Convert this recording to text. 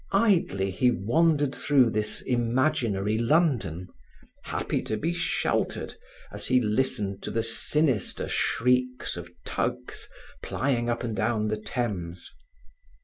Idly he wandered through this imaginary London, happy to be sheltered, as he listened to the sinister shrieks of tugs plying up and down the Thames.